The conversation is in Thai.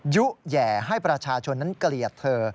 ยุแหย่ให้ประชาชนนั้นเกลียดเธอ